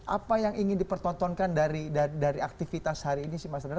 apa yang ingin dipertontonkan dari aktivitas hari ini sih mas rana